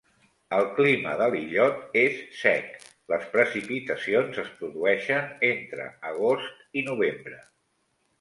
El clima de l'illot és sec, les precipitacions es produeixen entre agost i novembre.